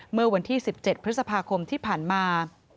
เมื่อวันที่๑๗พฤษภาคมที่ผ่านมา